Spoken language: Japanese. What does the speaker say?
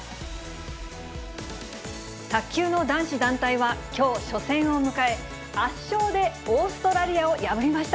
卓球の男子団体は、きょう、初戦を迎え、圧勝でオーストラリアを破りました。